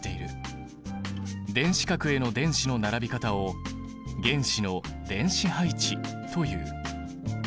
電子殻への電子の並び方を原子の電子配置という。